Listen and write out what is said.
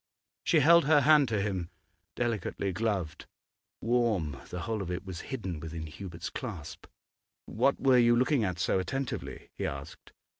She held her hand to him, delicately gloved, warm; the whole of it was hidden within Hubert's clasp. 'What were you looking at so attentively?' he asked.